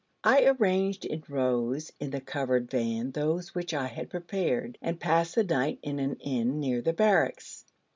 I arranged in rows in the covered van those which I had prepared, and passed the night in an inn near the Barracks.